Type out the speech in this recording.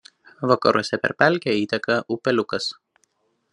Vakaruose per pelkę įteka upeliukas.